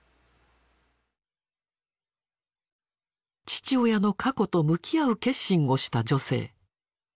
父親の過去と向き合う決心をした女性。